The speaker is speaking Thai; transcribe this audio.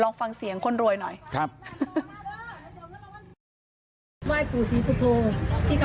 โปรดติดตามต่อไป